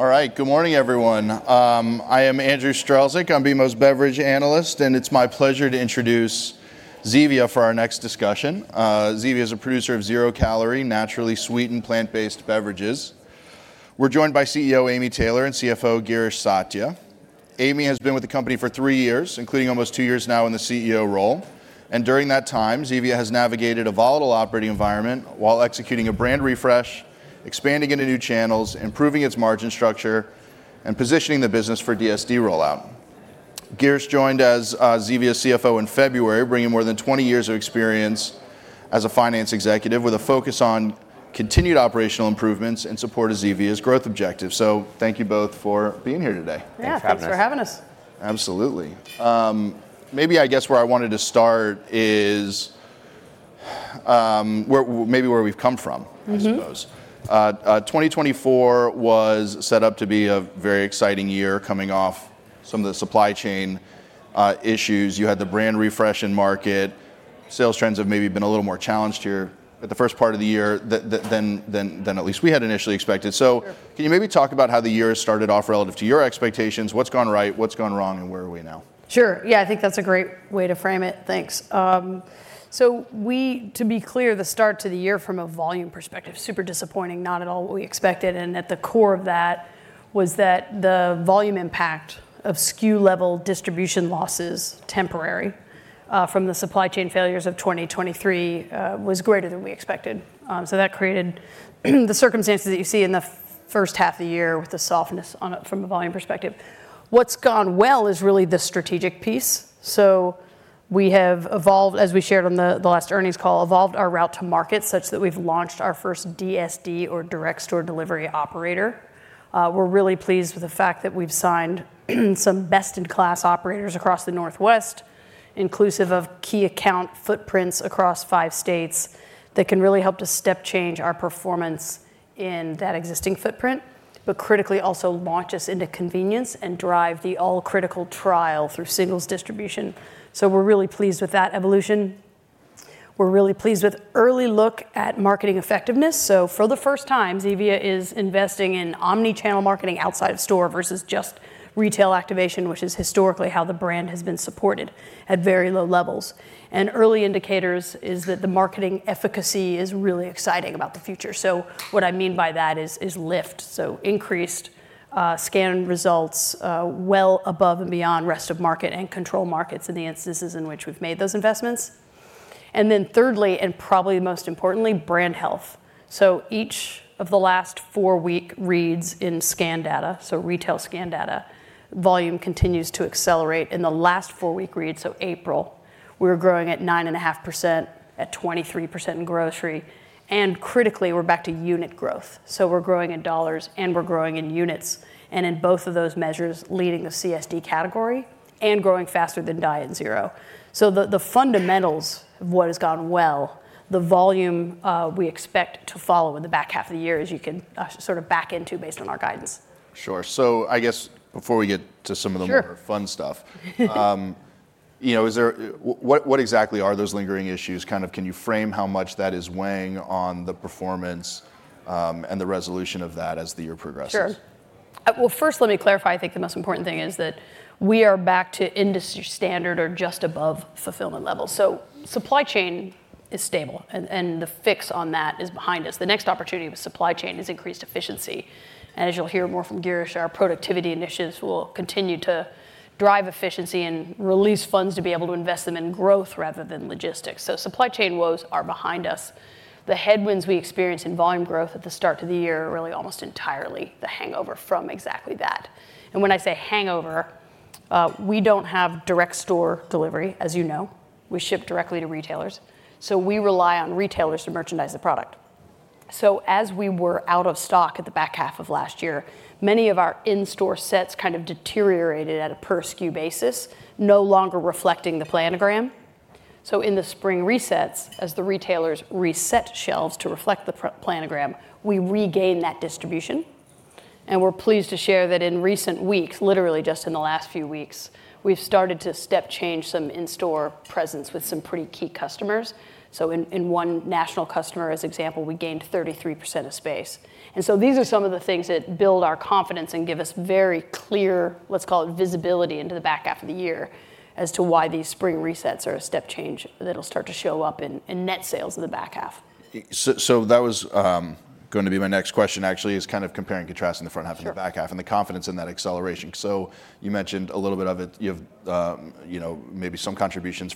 All right. Good morning, everyone. I am Andrew Strelzik. I'm BMO's beverage analyst, and it's my pleasure to introduce Zevia for our next discussion. Zevia is a producer of zero-calorie, naturally sweetened plant-based beverages. We're joined by CEO, Amy Taylor, and CFO, Girish Satya. Amy has been with the company for 3 years, including almost 2 years now in the CEO role, and during that time, Zevia has navigated a volatile operating environment while executing a brand refresh, expanding into new channels, improving its margin structure, and positioning the business for DSD rollout. Girish joined as Zevia's CFO in February, bringing more than 20 years of experience as a finance executive, with a focus on continued operational improvements and support of Zevia's growth objectives. So thank you both for being here today. Thanks for having us. Yeah, thanks for having us. Absolutely. Maybe I guess where I wanted to start is, maybe where we've come from- Mm-hmm... I suppose. 2024 was set up to be a very exciting year, coming off some of the supply chain issues. You had the brand refresh in market. Sales trends have maybe been a little more challenged here at the first part of the year than at least we had initially expected. Sure. Can you maybe talk about how the year has started off relative to your expectations? What's gone right, what's gone wrong, and where are we now? Sure. Yeah, I think that's a great way to frame it. Thanks. So, to be clear, the start to the year from a volume perspective, super disappointing, not at all what we expected, and at the core of that, was that the volume impact of SKU level distribution losses, temporary, from the supply chain failures of 2023, was greater than we expected. So that created the circumstances that you see in the first half of the year, with the softness from a volume perspective. What's gone well is really the strategic piece. So we have evolved, as we shared on the last earnings call, evolved our route to market such that we've launched our first DSD, or direct store delivery operator. We're really pleased with the fact that we've signed some best-in-class operators across the Northwest, inclusive of key account footprints across five states, that can really help to step change our performance in that existing footprint, but critically, also launch us into convenience and drive the all-critical trial through singles distribution. So we're really pleased with that evolution. We're really pleased with early look at marketing effectiveness. So for the first time, Zevia is investing in omni-channel marketing outside of store versus just retail activation, which is historically how the brand has been supported at very low levels. And early indicators is that the marketing efficacy is really exciting about the future. So what I mean by that is lift, so increased scan results well above and beyond rest of market and control markets in the instances in which we've made those investments. And then thirdly, and probably most importantly, brand health. So each of the last four-week reads in scan data, so retail scan data, volume continues to accelerate. In the last four-week read, so April, we were growing at 9.5%, at 23% in grocery, and critically, we're back to unit growth. So we're growing in dollars, and we're growing in units, and in both of those measures, leading the CSD category, and growing faster than diet/zero. So the fundamentals of what has gone well, the volume, we expect to follow in the back half of the year, as you can sort of back into based on our guidance. Sure. So I guess before we get to some of the more- Sure... fun stuff, you know, is there... what, what exactly are those lingering issues? Kind of, can you frame how much that is weighing on the performance, and the resolution of that as the year progresses? Sure. Well, first, let me clarify: I think the most important thing is that we are back to industry standard or just above fulfillment levels. So supply chain is stable, and the fix on that is behind us. The next opportunity with supply chain is increased efficiency, and as you'll hear more from Girish, our productivity initiatives will continue to drive efficiency and release funds to be able to invest them in growth rather than logistics. So supply chain woes are behind us. The headwinds we experienced in volume growth at the start of the year are really almost entirely the hangover from exactly that. And when I say hangover, we don't have direct store delivery, as you know. We ship directly to retailers, so we rely on retailers to merchandise the product. As we were out of stock at the back half of last year, many of our in-store sets kind of deteriorated at a per-SKU basis, no longer reflecting the planogram. In the spring resets, as the retailers reset shelves to reflect the planogram, we regained that distribution, and we're pleased to share that in recent weeks, literally just in the last few weeks, we've started to step change some in-store presence with some pretty key customers. In one national customer, as example, we gained 33% of space. These are some of the things that build our confidence and give us very clear, let's call it visibility, into the back half of the year, as to why these spring resets are a step change that'll start to show up in net sales in the back half. So that was going to be my next question, actually, is kind of comparing and contrasting the front half and the back half- Sure... and the confidence in that acceleration. So you mentioned a little bit of it. You have, you know, maybe some contributions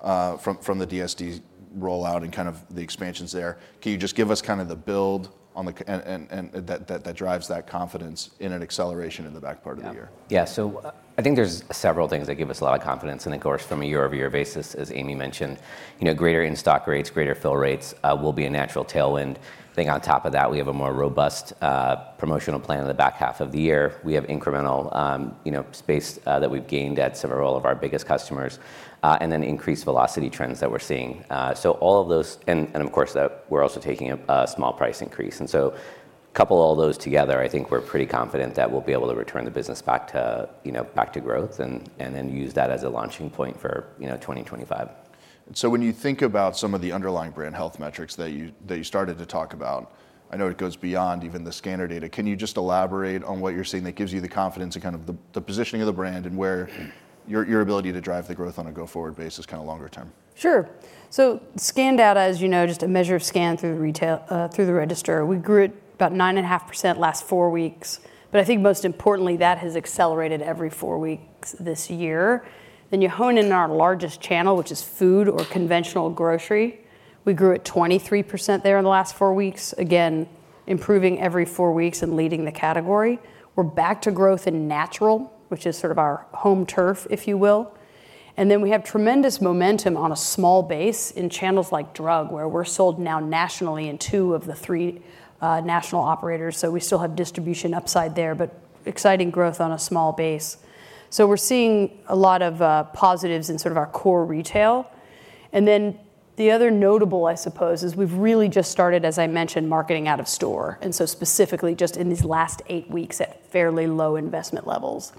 from the DSD rollout and kind of the expansions there. Can you just give us kind of the build on that and that drives that confidence in an acceleration in the back part of the year? Yeah. So I think there's several things that give us a lot of confidence, and of course, from a year-over-year basis, as Amy mentioned, you know, greater in-stock rates, greater fill rates, will be a natural tailwind. I think on top of that, we have a more robust, promotional plan in the back half of the year. We have incremental, you know, space, that we've gained at several of our biggest customers, and then increased velocity trends that we're seeing. So all of those... and, and of course, that we're also taking a, a small price increase. And so, couple all those together, I think we're pretty confident that we'll be able to return the business back to, you know, back to growth, and, and then use that as a launching point for, you know, 2025. So when you think about some of the underlying brand health metrics that you started to talk about, I know it goes beyond even the scanner data. Can you just elaborate on what you're seeing that gives you the confidence and kind of the positioning of the brand, and where your ability to drive the growth on a go-forward basis, kind of longer term? Sure. So scan data, as you know, just a measure of scan through the retail, through the register. We grew it about 9.5% last four weeks, but I think most importantly, that has accelerated every four weeks this year. Then you hone in on our largest channel, which is food or conventional grocery. We grew at 23% there in the last four weeks, again, improving every four weeks and leading the category. We're back to growth in natural, which is sort of our home turf, if you will. And then we have tremendous momentum on a small base in channels like drug, where we're sold now nationally in two of the three, national operators. So we still have distribution upside there, but exciting growth on a small base. So we're seeing a lot of, positives in sort of our core retail. And then the other notable, I suppose, is we've really just started, as I mentioned, marketing out-of-store, and so specifically just in these last eight weeks at fairly low investment levels.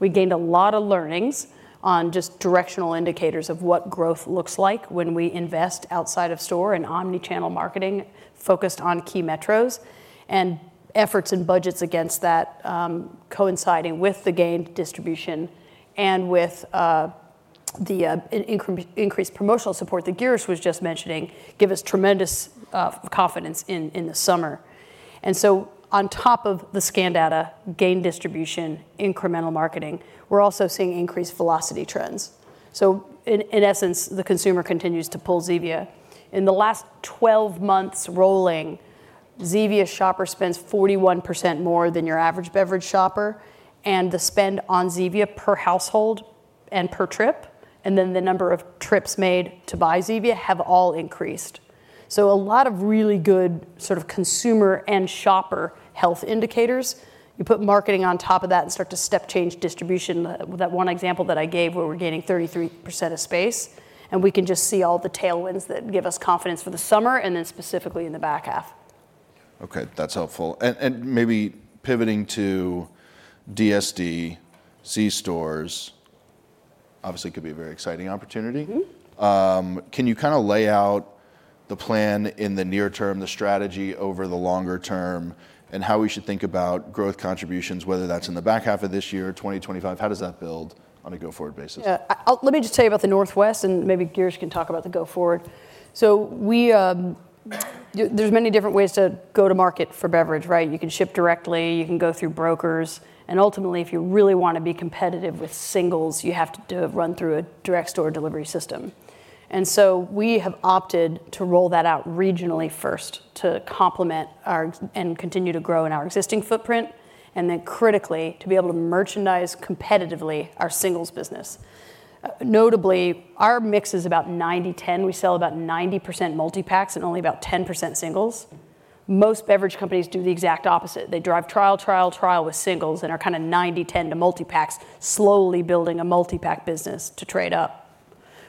We gained a lot of learnings on just directional indicators of what growth looks like when we invest outside of store and omni-channel marketing focused on key metros, and efforts and budgets against that, coinciding with the gained distribution, and with the increased promotional support that Girish was just mentioning, give us tremendous confidence in the summer. And so on top of the scan data, gain distribution, incremental marketing, we're also seeing increased velocity trends. So in essence, the consumer continues to pull Zevia. In the last 12 months rolling, Zevia shopper spends 41% more than your average beverage shopper, and the spend on Zevia per household and per trip, and then the number of trips made to buy Zevia have all increased. So a lot of really good sort of consumer and shopper health indicators. You put marketing on top of that and start to step change distribution. That one example that I gave, where we're gaining 33% of space, and we can just see all the tailwinds that give us confidence for the summer, and then specifically in the back half. Okay, that's helpful. And maybe pivoting to DSD c-stores, obviously could be a very exciting opportunity. Mm-hmm. Can you kind of lay out the plan in the near term, the strategy over the longer term, and how we should think about growth contributions, whether that's in the back half of this year, 2025, how does that build on a go-forward basis? Yeah, I'll let me just tell you about the Northwest, and maybe Girish can talk about the go forward. So we, there's many different ways to go to market for beverage, right? You can ship directly, you can go through brokers, and ultimately, if you really want to be competitive with singles, you have to run through a direct store delivery system. And so we have opted to roll that out regionally first to complement our and continue to grow in our existing footprint, and then critically, to be able to merchandise competitively our singles business. Notably, our mix is about 90/10. We sell about 90% multi-packs and only about 10% singles. Most beverage companies do the exact opposite. They drive trial, trial, trial with singles and are kind of 90/10 to multi-packs, slowly building a multi-pack business to trade up.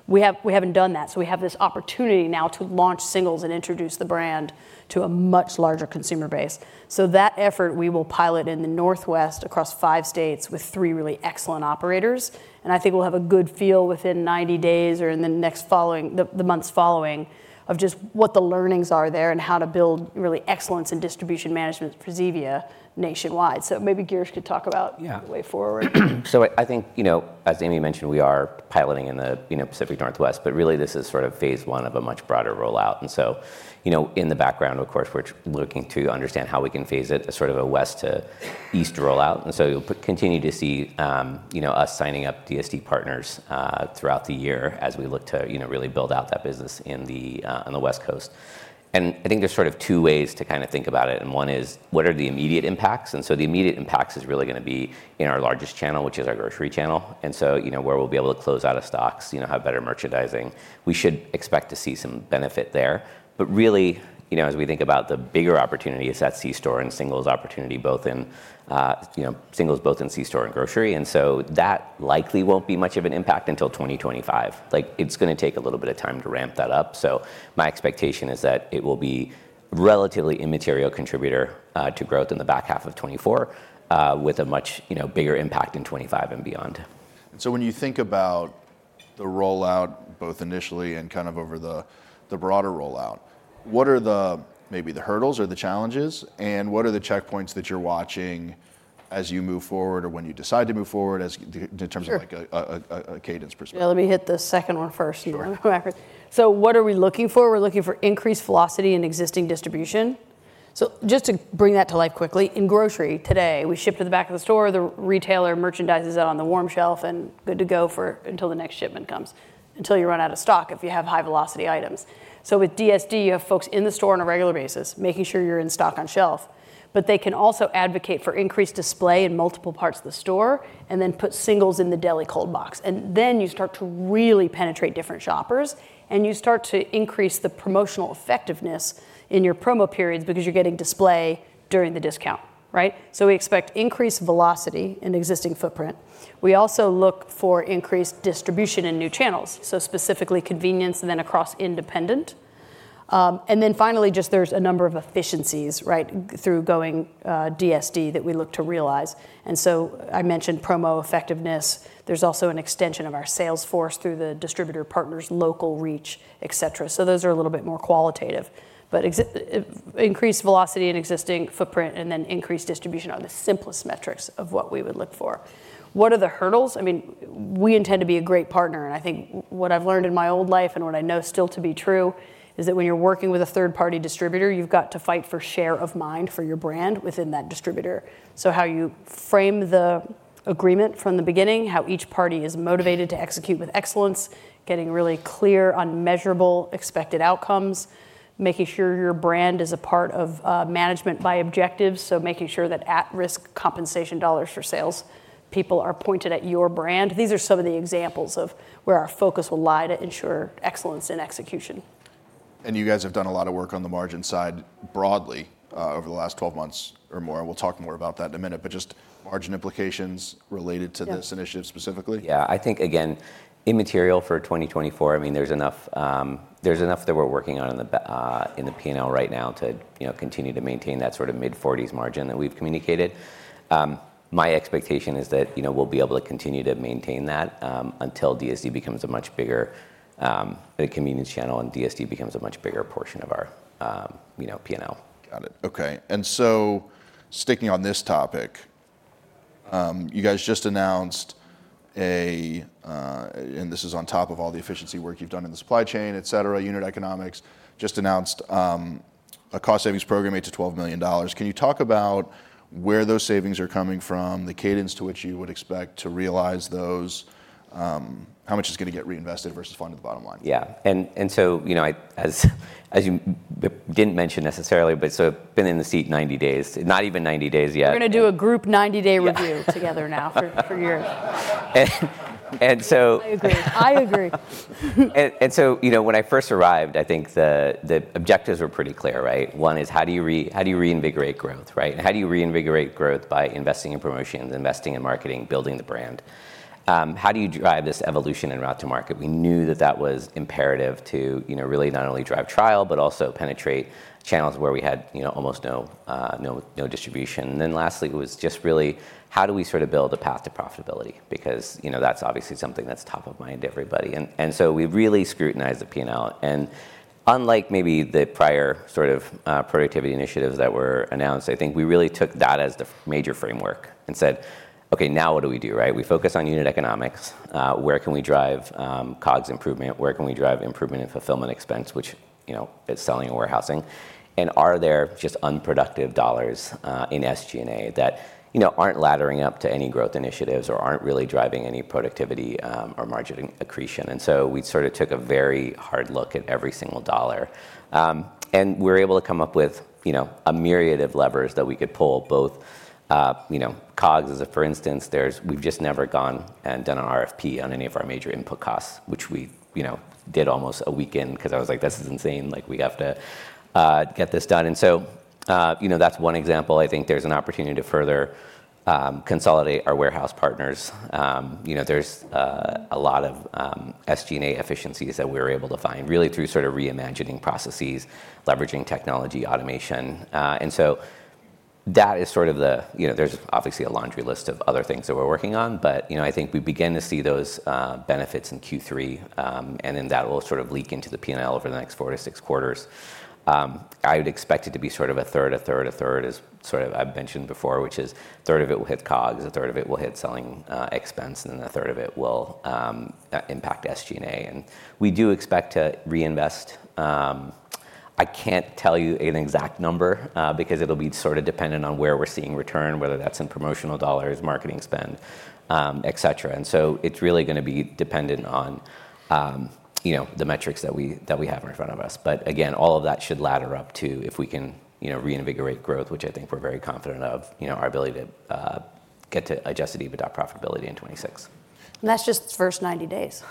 We haven't done that, so we have this opportunity now to launch singles and introduce the brand to a much larger consumer base. So that effort, we will pilot in the Northwest across five states with three really excellent operators, and I think we'll have a good feel within 90 days or in the next following, the months following, of just what the learnings are there and how to build really excellence in distribution management for Zevia nationwide. So maybe Girish could talk about- Yeah... the way forward. So I think, you know, as Amy mentioned, we are piloting in the, you know, Pacific Northwest, but really, this is sort of phase one of a much broader rollout. And so, you know, in the background, of course, we're looking to understand how we can phase it as sort of a west to east rollout. And so you'll continue to see, you know, us signing up DSD partners throughout the year as we look to, you know, really build out that business in the, on the West Coast. And I think there's sort of two ways to kind of think about it, and one is, what are the immediate impacts? And so the immediate impacts is really gonna be in our largest channel, which is our grocery channel. And so, you know, where we'll be able to close out-of-stocks, you know, have better merchandising. We should expect to see some benefit there. But really, you know, as we think about the bigger opportunity, it's that c-store and singles opportunity, both in, you know, singles both in c-store and grocery. And so that likely won't be much of an impact until 2025. Like, it's gonna take a little bit of time to ramp that up. So my expectation is that it will be relatively immaterial contributor to growth in the back half of 2024, with a much, you know, bigger impact in 2025 and beyond. So when you think about the rollout, both initially and kind of over the broader rollout, what are maybe the hurdles or the challenges? What are the checkpoints that you're watching as you move forward or when you decide to move forward, as in terms of like a cadence perspective? Yeah, let me hit the second one first. Sure. So what are we looking for? We're looking for increased velocity in existing distribution. Just to bring that to life quickly, in grocery today, we ship to the back of the store, the retailer merchandise is out on the warm shelf and good to go for until the next shipment comes, until you run out of stock if you have high-velocity items. With DSD, you have folks in the store on a regular basis making sure you're in stock on shelf, but they can also advocate for increased display in multiple parts of the store and then put singles in the deli cold box. Then you start to really penetrate different shoppers, and you start to increase the promotional effectiveness in your promo periods because you're getting display during the discount, right? We expect increased velocity in existing footprint. We also look for increased distribution in new channels, so specifically convenience, and then across independent, and then finally, just there's a number of efficiencies, right? Through going DSD that we look to realize. And so I mentioned promo effectiveness. There's also an extension of our sales force through the distributor partners, local reach, etc. So those are a little bit more qualitative, but increased velocity and existing footprint, and then increased distribution are the simplest metrics of what we would look for. What are the hurdles? I mean, we intend to be a great partner, and I think what I've learned in my old life and what I know still to be true, is that when you're working with a third-party distributor, you've got to fight for share of mind for your brand within that distributor. So how you frame the agreement from the beginning, how each party is motivated to execute with excellence, getting really clear on measurable expected outcomes, making sure your brand is a part of management by objectives, so making sure that at-risk compensation dollars for sales people are pointed at your brand. These are some of the examples of where our focus will lie to ensure excellence in execution. You guys have done a lot of work on the margin side broadly, over the last 12 months or more. We'll talk more about that in a minute, but just margin implications related to- Yeah... this initiative specifically. Yeah, I think, again, immaterial for 2024. I mean, there's enough, there's enough that we're working on in the P&L right now to, you know, continue to maintain that sort of mid-forties margin that we've communicated. My expectation is that, you know, we'll be able to continue to maintain that, until DSD becomes a much bigger, the convenience channel and DSD becomes a much bigger portion of our, you know, P&L. Got it. Okay, and so sticking on this topic, you guys just announced a, and this is on top of all the efficiency work you've done in the supply chain, etc. Unit economics, just announced, a cost savings program, $8 million-$12 million. Can you talk about where those savings are coming from, the cadence to which you would expect to realize those? How much is gonna get reinvested versus falling to the bottom line? Yeah, and so, you know, as you didn't mention necessarily, but so been in the seat 90 days. Not even 90 days yet. We're gonna do a group 90-day review- Yeah, together now for you. And so- I agree. I agree. So, you know, when I first arrived, I think the objectives were pretty clear, right? One is, how do you reinvigorate growth, right? And how do you reinvigorate growth by investing in promotions, investing in marketing, building the brand? How do you drive this evolution in route to market? We knew that that was imperative to, you know, really not only drive trial, but also penetrate channels where we had, you know, almost no distribution. Then lastly, it was just really how do we sort of build a path to profitability? Because, you know, that's obviously something that's top of mind to everybody. And so we really scrutinized the P&L, and unlike maybe the prior sort of productivity initiatives that were announced, I think we really took that as the major framework and said: "Okay, now what do we do, right? We focus on unit economics. Where can we drive COGS improvement? Where can we drive improvement in fulfillment expense, which, you know, is selling and warehousing? And are there just unproductive dollars in SG&A that, you know, aren't laddering up to any growth initiatives or aren't really driving any productivity or margin accretion?" And so we sort of took a very hard look at every single dollar. And we're able to come up with, you know, a myriad of levers that we could pull, both, you know, COGS as a for instance. There's—we've just never gone and done an RFP on any of our major input costs, which we, you know, did almost a week in, 'cause I was like: "This is insane. Like, we have to get this done." And so, you know, that's one example. I think there's an opportunity to further consolidate our warehouse partners. You know, there's a lot of SG&A efficiencies that we're able to find really through sort of reimagining processes, leveraging technology, automation. And so that is sort of the, you know, there's obviously a laundry list of other things that we're working on, but, you know, I think we begin to see those benefits in Q3, and then that will sort of leak into the P&L over the next four to six quarters. I would expect it to be sort of a third, a third, a third, as sort of I've mentioned before, which is a third of it will hit COGS, a third of it will hit selling expense, and then a third of it will impact SG&A. We do expect to reinvest. I can't tell you an exact number, because it'll be sort of dependent on where we're seeing return, whether that's in promotional dollars, marketing spend, etc. And so it's really gonna be dependent on, you know, the metrics that we have in front of us. But again, all of that should ladder up to if we can, you know, reinvigorate growth, which I think we're very confident of, you know, our ability to get to Adjusted EBITDA profitability in 2026. That's just its first 90 days.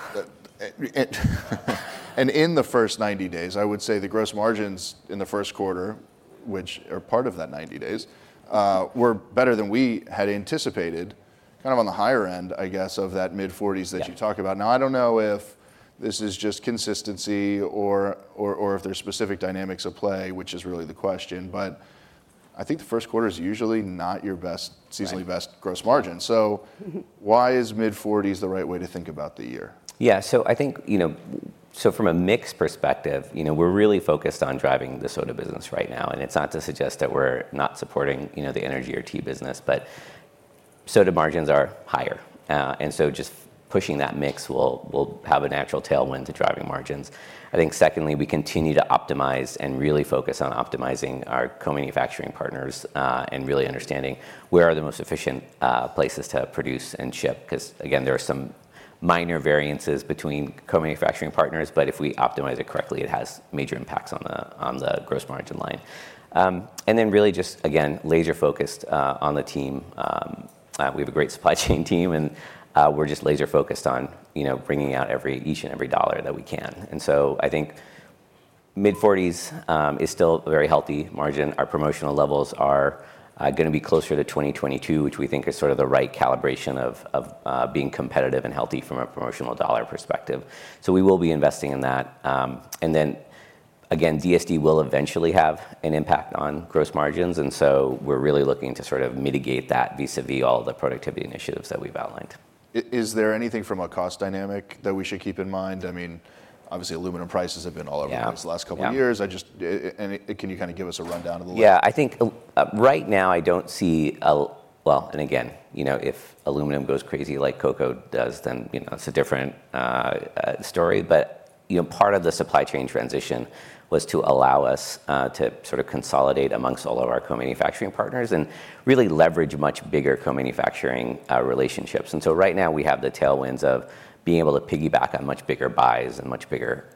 And in the first 90 days, I would say the gross margins in the first quarter, which are part of that 90 days, were better than we had anticipated, kind of on the higher end, I guess, of that mid-40s. Yeah... that you talked about. Now, I don't know if this is just consistency or if there are specific dynamics at play, which is really the question, but I think the first quarter is usually not your best- Right... seasonally best gross margin. So why is mid-forties the right way to think about the year? Yeah. So I think, you know, so from a mix perspective, you know, we're really focused on driving the soda business right now, and it's not to suggest that we're not supporting, you know, the energy or tea business, but soda margins are higher. And so just pushing that mix will, will have a natural tailwind to driving margins. I think secondly, we continue to optimize and really focus on optimizing our co-manufacturing partners, and really understanding where are the most efficient places to produce and ship. 'Cause, again, there are some minor variances between co-manufacturing partners, but if we optimize it correctly, it has major impacts on the, on the gross margin line. And then really just, again, laser-focused on the team. We have a great supply chain team, and we're just laser-focused on, you know, bringing out each and every dollar that we can. So I think mid-40s is still a very healthy margin. Our promotional levels are gonna be closer to 2022, which we think is sort of the right calibration of being competitive and healthy from a promotional dollar perspective. So we will be investing in that. And then, again, DSD will eventually have an impact on gross margins, and so we're really looking to sort of mitigate that vis-à-vis all the productivity initiatives that we've outlined. Is there anything from a cost dynamic that we should keep in mind? I mean, obviously, aluminum prices have been all over the place. Yeah The last couple of years. Yeah. I just can you kinda give us a rundown of the like? Yeah, I think right now I don't see a... Well, and again, you know, if aluminum goes crazy like cocoa does, then, you know, it's a different story. But, you know, part of the supply chain transition was to allow us to sort of consolidate amongst all of our co-manufacturing partners and really leverage much bigger co-manufacturing relationships. And so right now, we have the tailwinds of being able to piggyback on much bigger buys and much bigger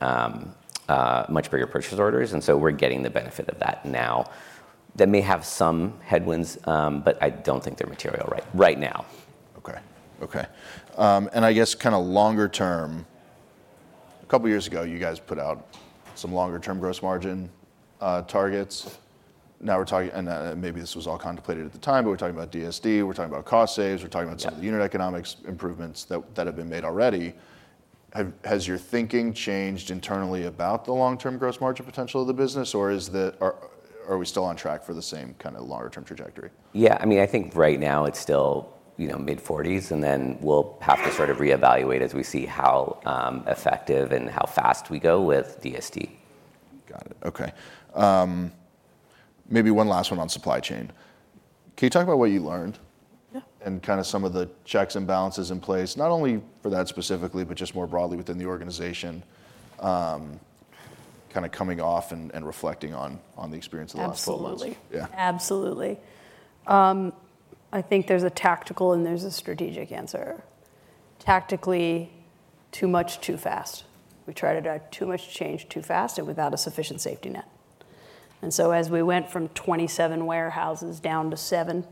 purchase orders, and so we're getting the benefit of that now. That may have some headwinds, but I don't think they're material right now. Okay. Okay. And I guess kinda longer term, a couple of years ago, you guys put out some longer-term gross margin targets. Now, we're talking- and, maybe this was all contemplated at the time, but we're talking about DSD, we're talking about cost saves, we're talking about- Yeah some unit economics improvements that have been made already. Has your thinking changed internally about the long-term gross margin potential of the business, or are we still on track for the same kind of longer-term trajectory? Yeah, I mean, I think right now it's still, you know, mid-40s, and then we'll have to sort of reevaluate as we see how effective and how fast we go with DSD. Got it. Okay. Maybe one last one on supply chain. Can you talk about what you learned? Yeah. Kind of some of the checks and balances in place, not only for that specifically, but just more broadly within the organization, kind of coming off and reflecting on the experience of the last 12 months? Absolutely. Yeah. Absolutely. I think there's a tactical and there's a strategic answer. Tactically, too much, too fast. We tried to drive too much change, too fast, and without a sufficient safety net. And so as we went from 27 warehouses down to 7,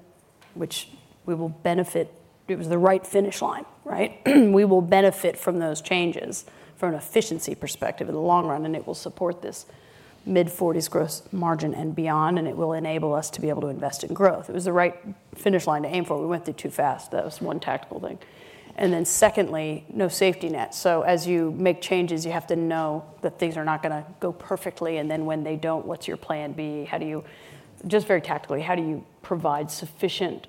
which we will benefit, it was the right finish line, right? We will benefit from those changes from an efficiency perspective in the long run, and it will support this mid-40s gross margin and beyond, and it will enable us to be able to invest in growth. It was the right finish line to aim for. We went through too fast. That was one tactical thing. And then secondly, no safety net. So as you make changes, you have to know that things are not gonna go perfectly, and then when they don't, what's your plan B? How do you just very tactically, how do you provide sufficient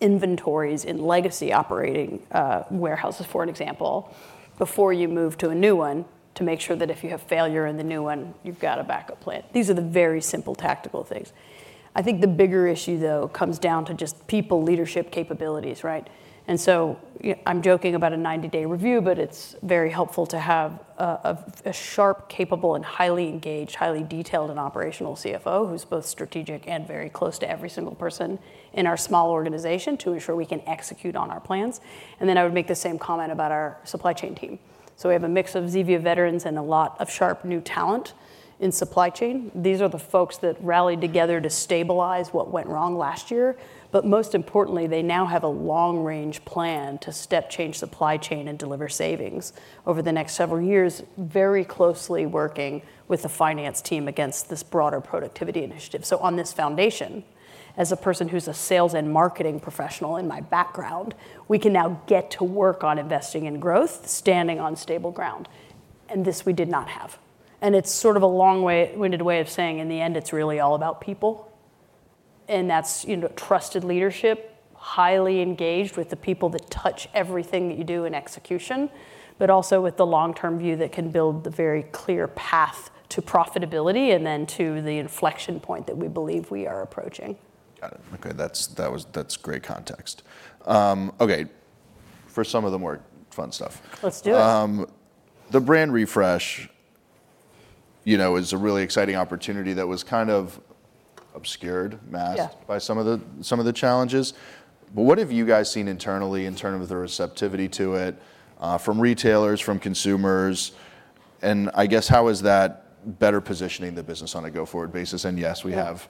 inventories in legacy operating warehouses, for an example, before you move to a new one, to make sure that if you have failure in the new one, you've got a backup plan. These are the very simple tactical things. I think the bigger issue, though, comes down to just people leadership capabilities, right? And so, I'm joking about a 90-day review, but it's very helpful to have a sharp, capable, and highly engaged, highly detailed, and operational CFO who's both strategic and very close to every single person in our small organization to ensure we can execute on our plans. And then I would make the same comment about our supply chain team. So we have a mix of Zevia veterans and a lot of sharp new talent in supply chain. These are the folks that rallied together to stabilize what went wrong last year. But most importantly, they now have a long-range plan to step change supply chain and deliver savings over the next several years, very closely working with the finance team against this broader productivity initiative. So on this foundation, as a person who's a sales and marketing professional in my background, we can now get to work on investing in growth, standing on stable ground, and this we did not have. And it's sort of a long-winded way of saying, in the end, it's really all about people, and that's, you know, trusted leadership, highly engaged with the people that touch everything that you do in execution, but also with the long-term view that can build the very clear path to profitability, and then to the inflection point that we believe we are approaching. Got it. Okay, that's great context. Okay, for some of the more fun stuff. Let's do it. The brand refresh, you know, is a really exciting opportunity that was kind of obscured, masked- Yeah by some of the challenges. But what have you guys seen internally, in terms of the receptivity to it, from retailers, from consumers? And I guess, how is that better positioning the business on a go-forward basis? And yes, we have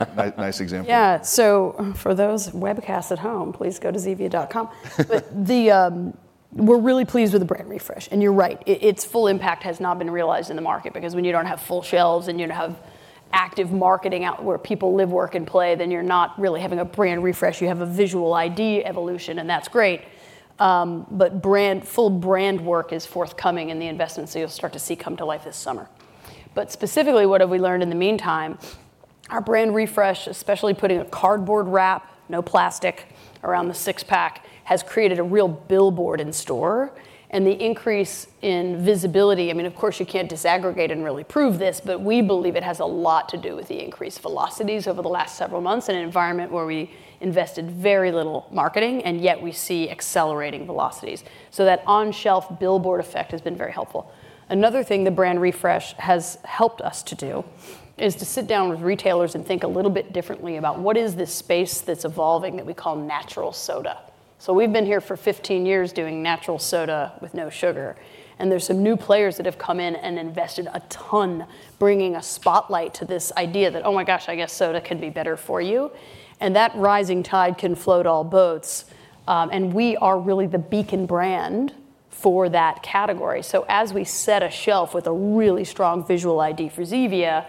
a nice example. Yeah, so for those webcasts at home, please go to Zevia.com. But we're really pleased with the brand refresh. And you're right, its full impact has not been realized in the market, because when you don't have full shelves and you don't have active marketing out where people live, work, and play, then you're not really having a brand refresh. You have a visual ID evolution, and that's great. But brand, full brand work is forthcoming in the investment, so you'll start to see come to life this summer. But specifically, what have we learned in the meantime? Our brand refresh, especially putting a cardboard wrap, no plastic, around the six-pack, has created a real billboard in-store. The increase in visibility, I mean, of course, you can't disaggregate and really prove this, but we believe it has a lot to do with the increased velocities over the last several months in an environment where we invested very little marketing, and yet we see accelerating velocities. So that on-shelf billboard effect has been very helpful. Another thing the brand refresh has helped us to do is to sit down with retailers and think a little bit differently about what is this space that's evolving that we call natural soda. So we've been here for 15 years doing natural soda with no sugar, and there's some new players that have come in and invested a ton, bringing a spotlight to this idea that, oh, my gosh, I guess soda can be better-for-you, and that rising tide can float all boats. And we are really the beacon brand for that category. So as we set a shelf with a really strong visual ID for Zevia,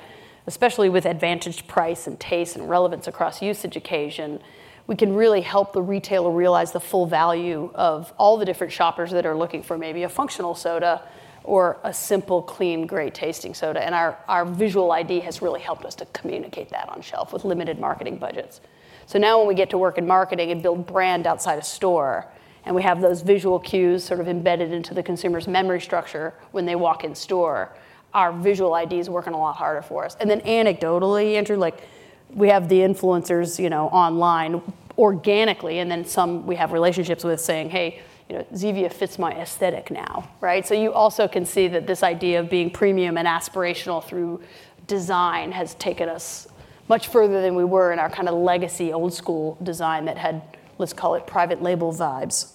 especially with advantage, price, and taste, and relevance across usage occasion, we can really help the retailer realize the full value of all the different shoppers that are looking for maybe a functional soda or a simple, clean, great tasting soda. And our visual ID has really helped us to communicate that on shelf with limited marketing budgets. So now, when we get to work in marketing and build brand outside of store, and we have those visual cues sort of embedded into the consumer's memory structure when they walk in store, our visual ID is working a lot harder for us. And then anecdotally, Andrew, like, we have the influencers, you know, online, organically, and then some we have relationships with saying: "Hey, you know, Zevia fits my aesthetic now," right? So you also can see that this idea of being premium and aspirational through design has taken us much further than we were in our kind of legacy, old school design that had, let's call it, private label vibes,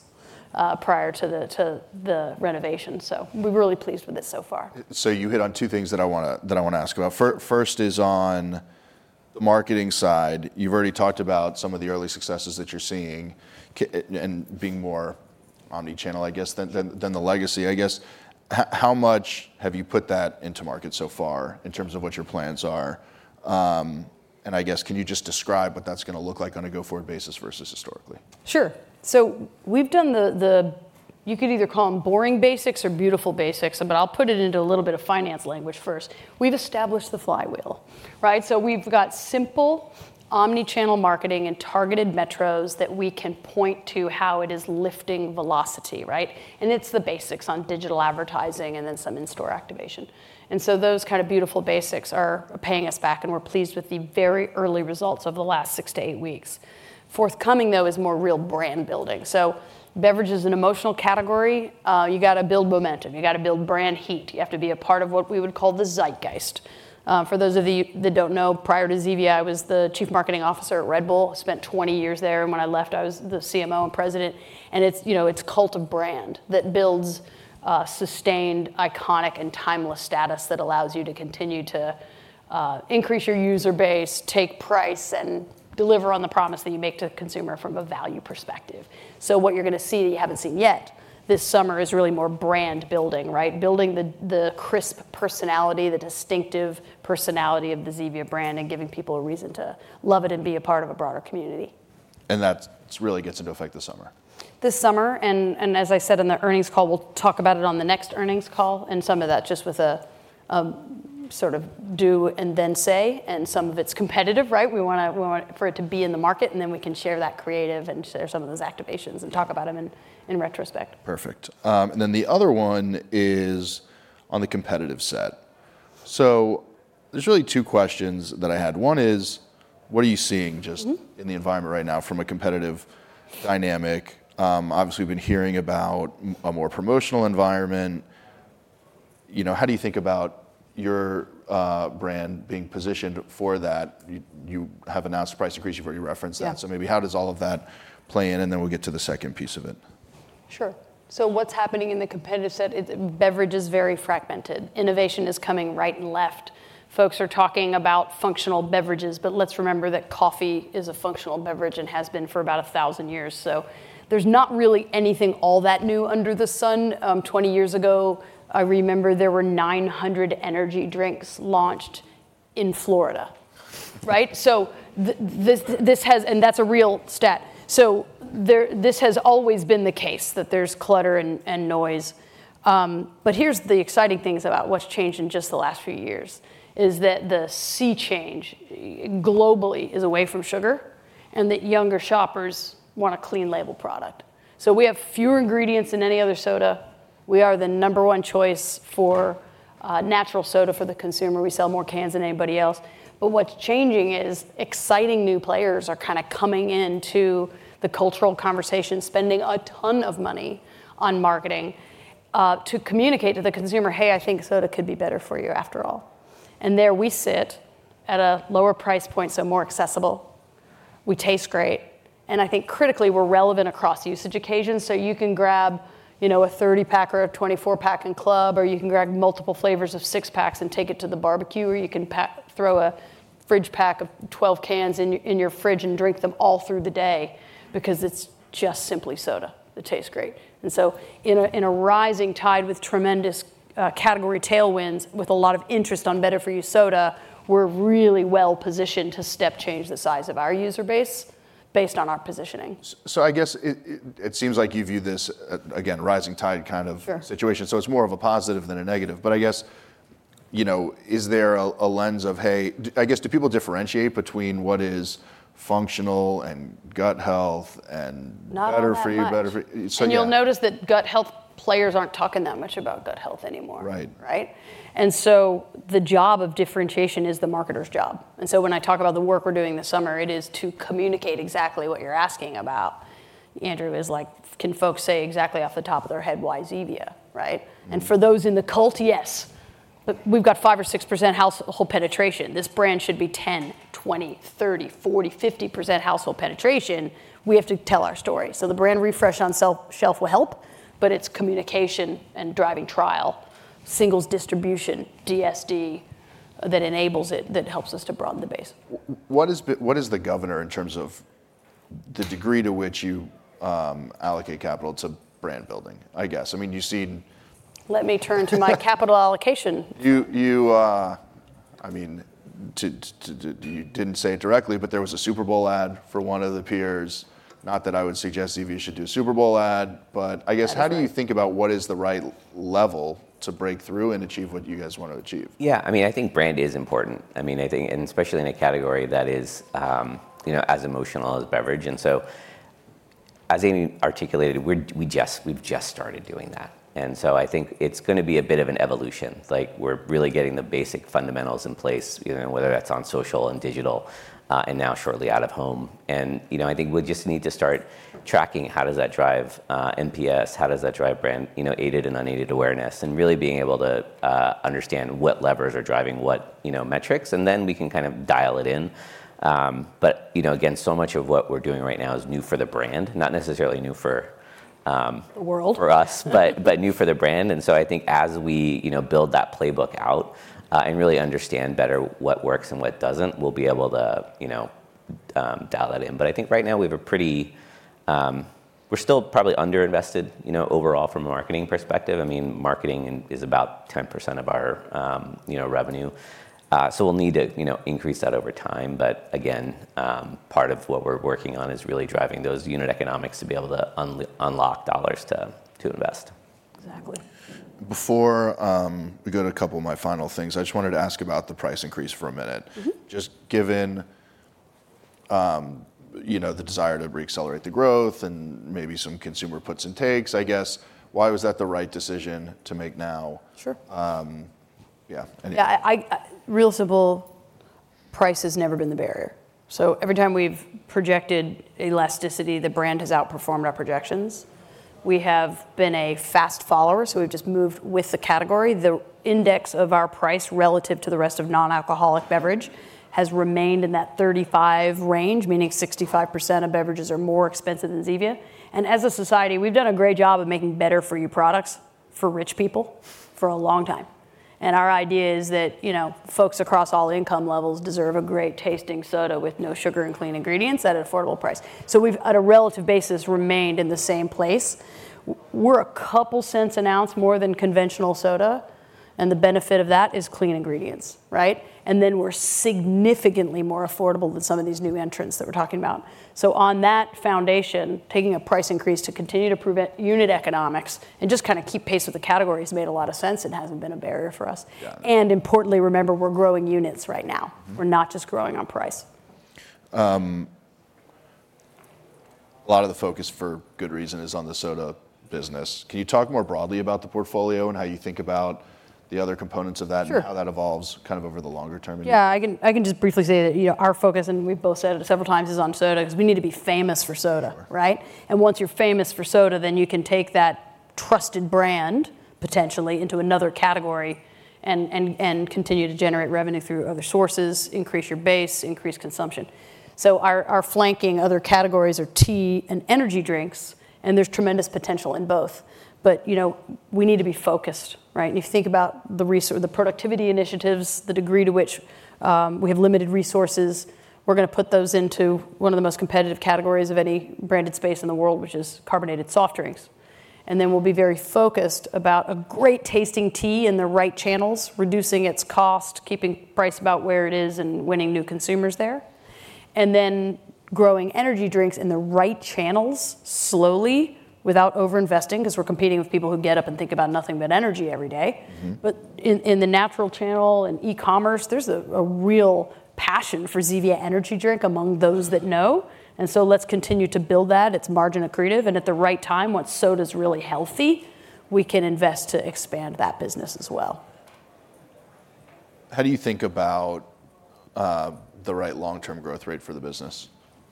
prior to the renovation. So we're really pleased with it so far. So you hit on two things that I wanna, that I wanna ask about. First is on the marketing side. You've already talked about some of the early successes that you're seeing, and being more omni-channel, I guess, than the legacy. I guess, how much have you put that into market so far in terms of what your plans are? And I guess, can you just describe what that's gonna look like on a go-forward basis versus historically? Sure. So we've done the... You could either call them boring basics or beautiful basics, but I'll put it into a little bit of finance language first. We've established the flywheel, right? So we've got simple omni-channel marketing and targeted metros that we can point to how it is lifting velocity, right? And it's the basics on digital advertising and then some in-store activation. And so those kind of beautiful basics are paying us back, and we're pleased with the very early results over the last 6-8 weeks. Forthcoming, though, is more real brand building. So beverage is an emotional category. You got to build momentum, you got to build brand heat. You have to be a part of what we would call the zeitgeist. For those of you that don't know, prior to Zevia, I was the Chief Marketing Officer at Red Bull. Spent 20 years there, and when I left, I was the CMO and president. And it's, you know, it's cult of brand that builds sustained, iconic, and timeless status that allows you to continue to increase your user base, take price, and deliver on the promise that you make to the consumer from a value perspective. So what you're gonna see, that you haven't seen yet, this summer, is really more brand building, right? Building the crisp personality, the distinctive personality of the Zevia brand, and giving people a reason to love it and be a part of a broader community. That really gets into effect this summer. This summer, and as I said on the earnings call, we'll talk about it on the next earnings call, and some of that just with a sort of do and then say, and some of it's competitive, right? We wanna, we want for it to be in the market, and then we can share that creative and share some of those activations and talk about them in retrospect. Perfect. And then the other one is on the competitive set. So there's really two questions that I had. One is: What are you seeing just- Mm-hmm... in the environment right now from a competitive dynamic? Obviously, we've been hearing about a more promotional environment. You know, how do you think about your brand being positioned for that? You have announced a price increase. You've already referenced that. Yeah. Maybe how does all of that play in? Then we'll get to the second piece of it. Sure. So what's happening in the competitive set, the beverage is very fragmented. Innovation is coming right and left. Folks are talking about functional beverages, but let's remember that coffee is a functional beverage and has been for about 1,000 years. So there's not really anything all that new under the sun. 20 years ago, I remember there were 900 energy drinks launched in Florida, right? So this, this has... And that's a real stat. So this has always been the case, that there's clutter and noise. But here's the exciting things about what's changed in just the last few years, is that the sea change globally is away from sugar, and that younger shoppers want a clean label product. So we have fewer ingredients than any other soda. We are the number one choice for natural soda for the consumer. We sell more cans than anybody else. But what's changing is exciting new players are kinda coming into the cultural conversation, spending a ton of money on marketing, to communicate to the consumer, "Hey, I think soda could be better for you after all." And there we sit at a lower price point, so more accessible. We taste great, and I think critically, we're relevant across usage occasions. So you can grab, you know, a 30-pack or a 24-pack in club, or you can grab multiple flavors of 6-packs and take it to the barbecue, or you can throw a fridge pack of 12 cans in your, in your fridge and drink them all through the day because it's just simply soda that tastes great. And so in a rising tide with tremendous category tailwinds, with a lot of interest on better for you soda, we're really well positioned to step change the size of our user base, based on our positioning. So, I guess it seems like you view this as again, rising tide kind of- Sure... situation, so it's more of a positive than a negative. But I guess, you know, is there a lens of, hey, I guess, do people differentiate between what is functional, and gut health, and better for you- Not all that much.... Better for you. So yeah. You'll notice that gut health players aren't talking that much about gut health anymore. Right. Right? And so the job of differentiation is the marketer's job. And so when I talk about the work we're doing this summer, it is to communicate exactly what you're asking about. Andrew, is like, can folks say exactly off the top of their head why Zevia, right? Mm. And for those in the cult, yes. But we've got 5% or 6% household penetration. This brand should be 10%, 20%, 30%, 40%, 50% household penetration. We have to tell our story. So the brand refresh on shelf will help, but it's communication and driving trial, singles distribution, DSD, that enables it, that helps us to broaden the base. What is the governor in terms of the degree to which you allocate capital to brand building, I guess. I mean, you see- Let me turn to my capital allocation. You, I mean—you didn't say it directly, but there was a Super Bowl ad for one of the peers. Not that I would suggest you should do a Super Bowl ad, but I guess- I know... how do you think about what is the right level to break through and achieve what you guys want to achieve? Yeah, I mean, I think brand is important. I mean, I think, and especially in a category that is, you know, as emotional as beverage. And so as Amy articulated, we've just started doing that. And so I think it's gonna be a bit of an evolution. Like, we're really getting the basic fundamentals in place, you know, whether that's on social and digital, and now shortly out of home. And, you know, I think we just need to start tracking, how does that drive, NPS? How does that drive brand, you know, aided and unaided awareness? And really being able to, understand what levers are driving what, you know, metrics, and then we can kind of dial it in. But, you know, again, so much of what we're doing right now is new for the brand, not necessarily new for, the world... for us, but new for the brand. And so I think as we, you know, build that playbook out, and really understand better what works and what doesn't, we'll be able to, you know, dial that in. But I think right now, we have a pretty... We're still probably underinvested, you know, overall from a marketing perspective. I mean, marketing is about 10% of our, you know, revenue. So we'll need to, you know, increase that over time. But again, part of what we're working on is really driving those unit economics to be able to unlock dollars to invest. Exactly. Before we go to a couple of my final things, I just wanted to ask about the price increase for a minute. Mm-hmm. Just given, you know, the desire to reaccelerate the growth and maybe some consumer puts and takes, I guess, why was that the right decision to make now? Sure. Yeah, any- Yeah, I real simple, price has never been the barrier. So every time we've projected elasticity, the brand has outperformed our projections. We have been a fast follower, so we've just moved with the category. The index of our price relative to the rest of non-alcoholic beverage has remained in that 35 range, meaning 65% of beverages are more expensive than Zevia. And as a society, we've done a great job of making better for you products for rich people for a long time. And our idea is that, you know, folks across all income levels deserve a great-tasting soda with no sugar and clean ingredients at an affordable price. So we've, at a relative basis, remained in the same place. We're a couple cents an ounce more than conventional soda, and the benefit of that is clean ingredients, right? We're significantly more affordable than some of these new entrants that we're talking about. On that foundation, taking a price increase to continue to prevent unit economics and just kind of keep pace with the category has made a lot of sense and hasn't been a barrier for us. Yeah. Importantly, remember, we're growing units right now. Mm-hmm. We're not just growing on price. A lot of the focus for good reason is on the soda business. Can you talk more broadly about the portfolio and how you think about the other components of that- Sure... and how that evolves kind of over the longer term? Yeah, I can just briefly say that, you know, our focus, and we've both said it several times, is on soda, 'cause we need to be famous for soda. Sure. Right? And once you're famous for soda, then you can take that trusted brand, potentially into another category, and continue to generate revenue through other sources, increase your base, increase consumption. So our flanking other categories are tea and energy drinks, and there's tremendous potential in both. But, you know, we need to be focused, right? You think about the productivity initiatives, the degree to which we have limited resources. We're gonna put those into one of the most competitive categories of any branded space in the world, which is carbonated soft drinks. And then we'll be very focused about a great-tasting tea in the right channels, reducing its cost, keeping price about where it is, and winning new consumers there. And then growing energy drinks in the right channels slowly, without overinvesting, 'cause we're competing with people who get up and think about nothing but energy every day. Mm-hmm. But in the natural channel and e-commerce, there's a real passion for Zevia Energy drink among those that know. And so let's continue to build that. It's margin accretive, and at the right time, once soda's really healthy, we can invest to expand that business as well. How do you think about the right long-term growth rate for the business?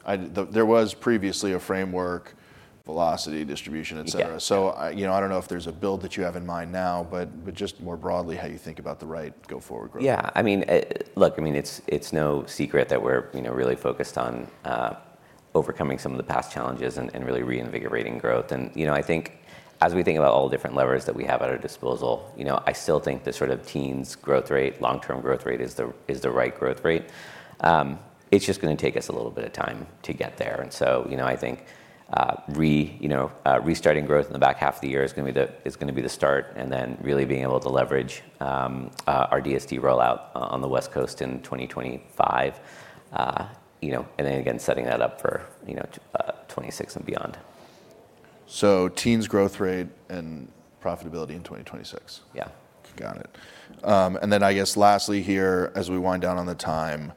There was previously a framework, velocity, distribution, et cetera. Yeah. I, you know, I don't know if there's a build that you have in mind now, but just more broadly, how you think about the right go forward growth? Yeah, I mean, look, I mean, it's no secret that we're, you know, really focused on overcoming some of the past challenges and really reinvigorating growth. You know, I think as we think about all the different levers that we have at our disposal, you know, I still think the sort of teens growth rate, long-term growth rate, is the right growth rate. It's just gonna take us a little bit of time to get there. So, you know, I think restarting growth in the back half of the year is gonna be the start, and then really being able to leverage our DSD rollout on the West Coast in 2025. You know, and then again, setting that up for 2026 and beyond. Teens growth rate and profitability in 2026? Yeah. Got it. And then I guess lastly here, as we wind down on the time,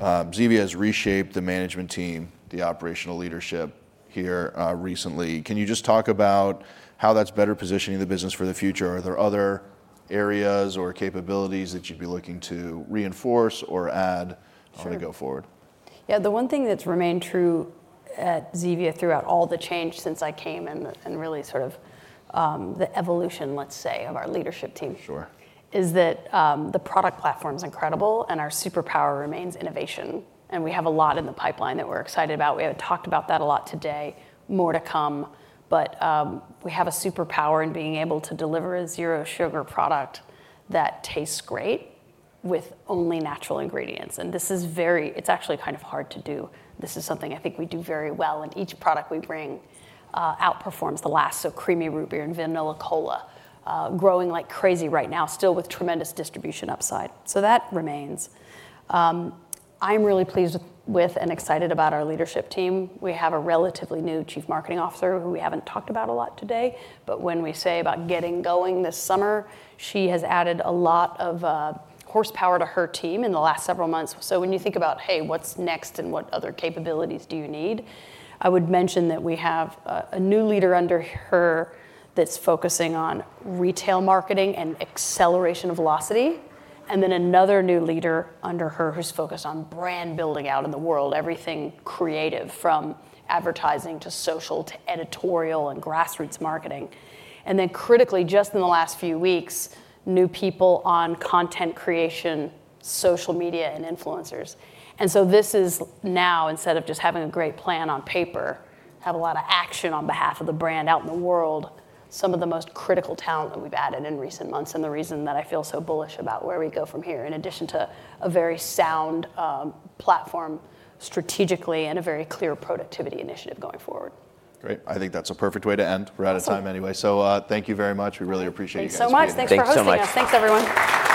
Zevia has reshaped the management team, the operational leadership here, recently. Can you just talk about how that's better positioning the business for the future? Are there other areas or capabilities that you'd be looking to reinforce or add- Sure... as we go forward? Yeah, the one thing that's remained true at Zevia throughout all the change since I came and really sort of, the evolution, let's say, of our leadership team- Sure... is that, the product platform's incredible, and our superpower remains innovation, and we have a lot in the pipeline that we're excited about. We have talked about that a lot today, more to come. But, we have a superpower in being able to deliver a zero-sugar product that tastes great with only natural ingredients. And this is very-- it's actually kind of hard to do. This is something I think we do very well, and each product we bring, outperforms the last. So Creamy Root Beer and Vanilla Cola growing like crazy right now, still with tremendous distribution upside. So that remains. I'm really pleased with, and excited about our leadership team. We have a relatively new Chief Marketing Officer, who we haven't talked about a lot today. But when we say about getting going this summer, she has added a lot of horsepower to her team in the last several months. So when you think about, hey, what's next, and what other capabilities do you need? I would mention that we have a new leader under her that's focusing on retail marketing and acceleration of velocity, and then another new leader under her, who's focused on brand building out in the world, everything creative, from advertising, to social, to editorial, and grassroots marketing. And then critically, just in the last few weeks, new people on content creation, social media, and influencers. And so this is now, instead of just having a great plan on paper, have a lot of action on behalf of the brand out in the world, some of the most critical talent that we've added in recent months, and the reason that I feel so bullish about where we go from here, in addition to a very sound, platform strategically, and a very clear productivity initiative going forward. Great. I think that's a perfect way to end. Awesome. We're out of time anyway. So, thank you very much. We really appreciate you guys. Thank you so much. Thanks so much. Thanks for hosting us. Thanks, everyone.